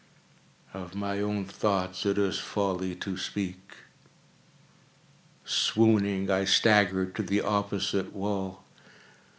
Of my own thoughts it is folly to speak. Swooning, I staggered to the opposite wall.